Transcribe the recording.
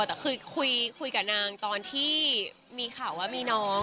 แต่คือคุยกับนางตอนที่มีข่าวว่ามีน้อง